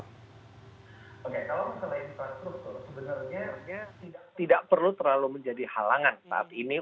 oke kalau misalnya infrastruktur sebenarnya tidak perlu terlalu menjadi halangan saat ini